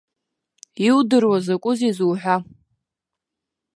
Иудыруа закәызеи зуҳәа?